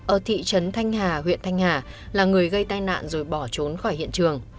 ở thị trấn thanh hà huyện thanh hà là người gây tai nạn rồi bỏ trốn khỏi hiện trường